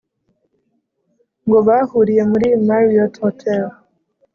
ngo bahuriye mu marriott hotel